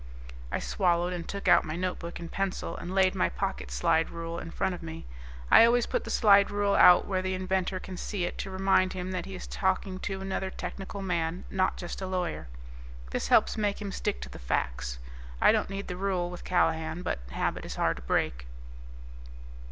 I swallowed, and took out my notebook and pencil, and laid my pocket slide rule in front of me. I always put the slide rule out where the inventor can see it to remind him that he is talking to another technical man, not just a lawyer. This helps make him stick to the facts. I didn't need the rule with Callahan, but habit is hard to break.